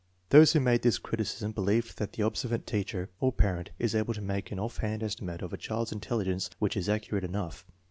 Those who made this criticism believed that the observant teacher or parent is able to make an offhand estimate of a child's intelligence which is accurate enough.